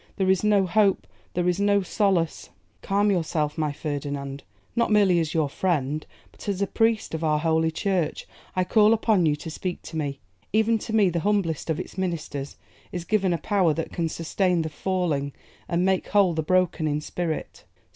there is no hope; there is no solace.' 'Calm yourself, my Ferdinand; not merely as your friend, but as a priest of our holy church, I call upon you to speak to me. Even to me, the humblest of its ministers, is given a power that can sustain the falling and make whole the broken in spirit.